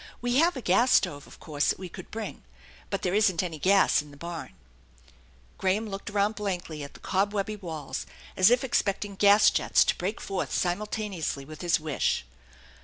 We have a gas stove, of course, that we could bring; but there isn't any gas in a barn/' Graham looked around blankly at the cobwebby walls as if expecting gas jets to break forth simultaneously with his wish.